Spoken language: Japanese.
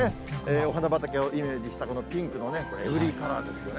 お花畑をイメージした、このピンクのエブリィカラーですよね。